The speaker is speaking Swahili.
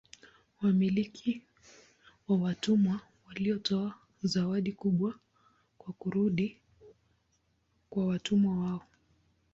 Wamiliki wa watumwa walitoa zawadi kubwa kwa kurudi kwa watumwa wao.